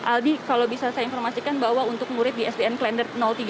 albi kalau bisa saya informasikan bahwa untuk murid di sdn klender tiga pagi ini